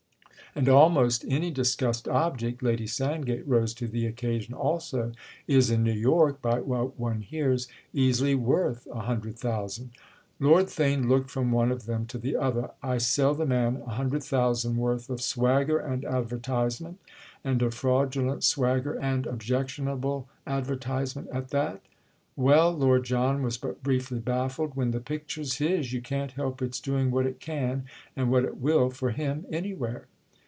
"And almost any discussed object"—Lady Sand gate rose to the occasion also—"is in New York, by what one hears, easily worth a Hundred Thousand!" Lord Theign looked from one of them to the other. "I sell the man a Hundred Thousand worth of swagger and advertisement; and of fraudulent swagger and objectionable advertisement at that?" "Well"—Lord John was but briefly baffled—"when the picture's his you can't help its doing what it can and what it will for him anywhere!"